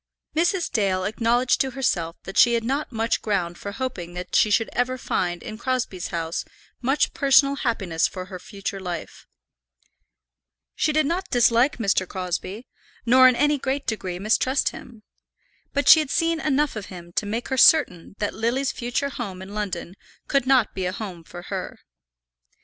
[ILLUSTRATION: (untitled)] Mrs. Dale acknowledged to herself that she had not much ground for hoping that she should ever find in Crosbie's house much personal happiness for her future life. She did not dislike Mr. Crosbie, nor in any great degree mistrust him; but she had seen enough of him to make her certain that Lily's future home in London could not be a home for her.